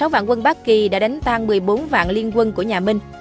sáu vạn quân bác kỳ đã đánh tan một mươi bốn vạn liên quân của nhà minh